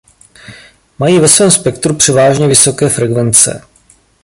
Mají ve svém spektru převážně vysoké frekvence.